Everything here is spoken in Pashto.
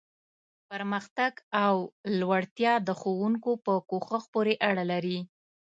پرمختګ او لوړتیا د ښوونکو په کوښښ پورې اړه لري.